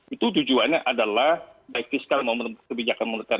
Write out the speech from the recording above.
itu tujuannya adalah baik fiskal maupun kebijakan moneter